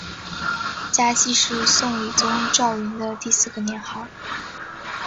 嘉熙是宋理宗赵昀的第四个年号。